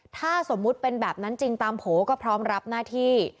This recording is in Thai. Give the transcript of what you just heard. ถ้าสมมุติเป็นแบบนั้นจริงตามโผล่ก็พร้อมรับหน้าที่